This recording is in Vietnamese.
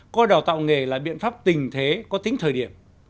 coi đào tạo nghề là biện pháp tình thế có tính thời điểm